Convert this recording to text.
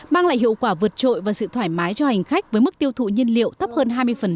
mang lại hiệu quả vượt trội và sự thoải mái cho hành khách với mức tiêu thụ nhiên liệu thấp hơn hai mươi